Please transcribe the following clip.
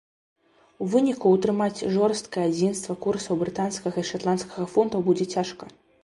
У выніку ўтрымаць жорсткае адзінства курсаў брытанскага і шатландскага фунтаў будзе цяжка.